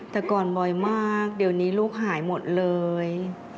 แต่ก่อนบ่อยมากเดี๋ยวนี้ลูกหายหมดเลย